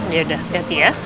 yaudah hati hati ya